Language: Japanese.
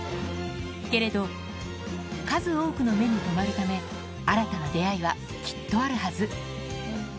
けれど、数多くの目に留まるため、新たな出会いはきっとあるはず。